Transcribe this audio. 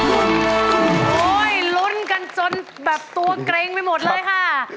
โอ้โหลุ้นกันจนแบบตัวเกร็งไปหมดเลยค่ะ